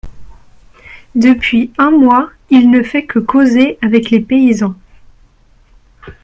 Depuis un mois il ne fait que causer avec les paysans…